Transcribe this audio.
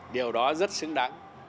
điều đó rất xứng đáng